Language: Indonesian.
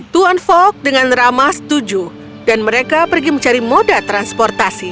tuan fok dengan rama setuju dan mereka pergi mencari moda transportasi